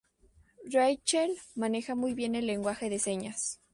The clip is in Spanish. Rachel maneja muy bien el lenguaje de señas.